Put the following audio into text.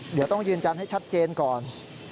เดี๋ยวต้องยืนยันให้ชัดเจนก่อน